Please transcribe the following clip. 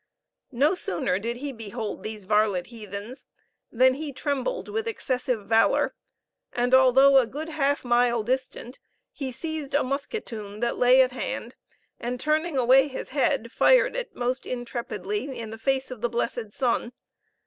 No sooner did he behold these varlet heathens, than he trembled with excessive valor, and although a good half mile distant, he seized a musketoon that lay at hand, and turning away his head, fired it most intrepidly in the face of the blessed sun.